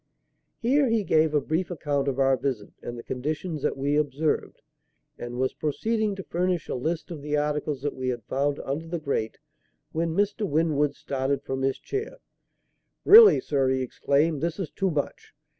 Here he gave a brief account of our visit and the conditions that we observed, and was proceeding to furnish a list of the articles that we had found under the grate, when Mr. Winwood started from his chair. "Really, sir!" he exclaimed, "this is too much!